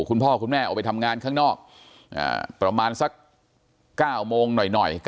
คุณพ่อคุณแม่ออกไปทำงานข้างนอกประมาณสัก๙โมงหน่อย